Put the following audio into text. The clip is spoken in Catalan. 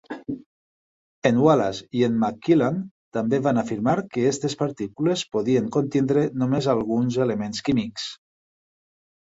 En Wallace i en McQuillan també van afirmar que aquestes partícules podien contenir només alguns elements químics.